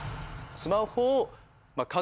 スマホを。